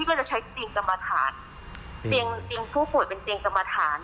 ก็จะใช้เตียงกรรมฐานเตียงจริงผู้ป่วยเป็นเตียงกรรมฐาน